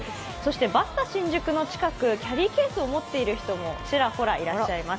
バスタ新宿の近く、キャリーケースを持っていらっしゃる方もちらほら、いらっしゃいます。